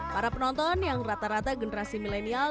para penonton yang rata rata generasi milenial